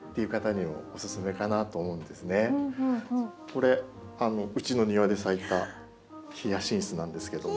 これうちの庭で咲いたヒヤシンスなんですけども。